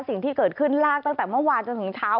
สิ่งที่เกิดขึ้นลากตั้งแต่เมื่อวานจนถึงเช้า